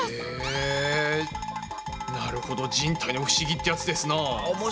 へぇなるほど人体の不思議ってやつですな。